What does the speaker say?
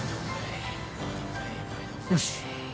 よし。